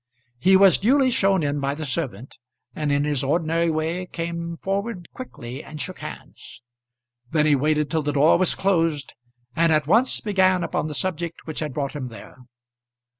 He was duly shown in by the servant, and in his ordinary way came forward quickly and shook hands. Then he waited till the door was closed, and at once began upon the subject which had brought him there.